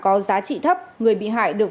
có giá trị thấp người bị hại được